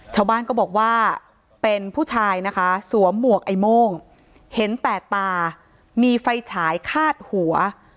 ชาวบ้านก็บอกว่าเป็นผู้ชายนะคะสวมหมวกไอ้โม่งเห็นแต่ตามีไฟฉายคาดหัว